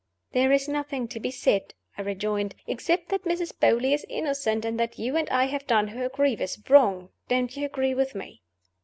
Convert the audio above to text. "There is nothing to be said," I rejoined, "except that Mrs. Beauly is innocent, and that you and I have done her a grievous wrong. Don't you agree with me?"